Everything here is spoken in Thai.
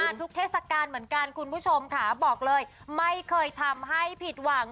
ทุกเทศกาลเหมือนกันคุณผู้ชมค่ะบอกเลยไม่เคยทำให้ผิดหวัง